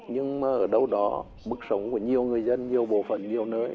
nhưng mà ở đâu đó mức sống của nhiều người dân nhiều bộ phận nhiều nơi